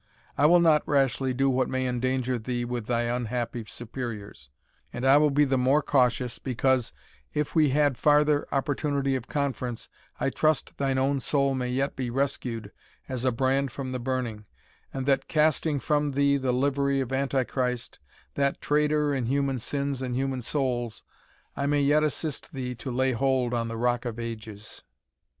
I will not rashly do what may endanger thee with thy unhappy superiors, and I will be the more cautious, because, if we had farther opportunity of conference, I trust thine own soul may yet be rescued as a brand from the burning, and that, casting from thee the livery of Anti Christ, that trader in human sins and human souls, I may yet assist thee to lay hold on the Rock of Ages."